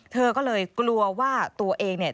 เธอก็เลยกลัวว่าตัวเองเนี่ย